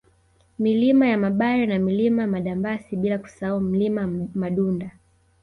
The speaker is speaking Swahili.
Milima ya Mabare na Mlima Madambasi bila kusahau Mlima Madunda